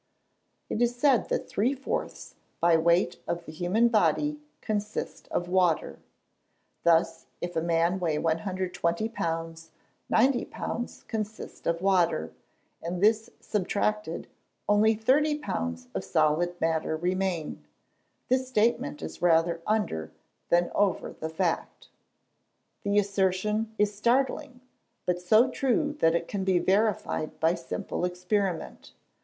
It is said that three fourths by weight of the human body consist of water. Thus, if man weighs 120lbs., 90lbs. consist of water, and this subtracted, only 30lbs. of solid matter remain. This statement is rather under than over the fact. The assertion is startling, but so true that it can be verified by simple experiment.